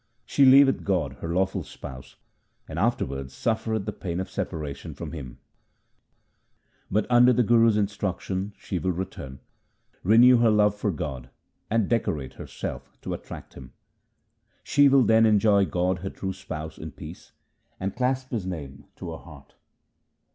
She leaveth God her lawful spouse, and afterwards suffereth the pain of separation from Him ; But under the Guru's instruction she will return, renew her love for God, and decorate herself to attract Him. She will then enjoy God her true Spouse in peace, and clasp His name to her heart.